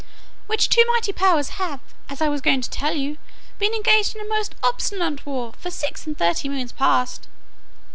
Which two mighty powers have, as I was going to tell you, been engaged in a most obstinate war for six and thirty moons past.